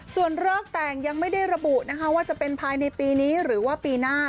ส่วนเลิกแต่งยังไม่ได้ระบุนะคะว่าจะเป็นภายในปีนี้หรือว่าปีหน้า